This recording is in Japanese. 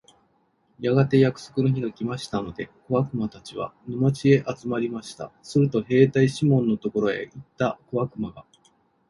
やがて約束の日が来ましたので、小悪魔たちは、沼地へ集まりました。すると兵隊シモンのところへ行った小悪魔が、